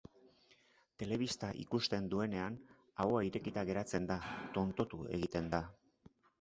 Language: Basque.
Telebista ikusten duenean ahoa irekita geratzen da, tontotu egiten da.